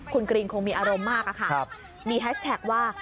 คุณกรีนคงมีอารมณ์มากอะค่ะมีแฮชแท็กว่า